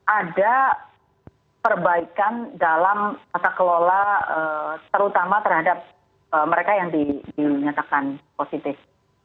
ada perbaikan dalam tata kelola terutama terhadap mereka yang dinyatakan positif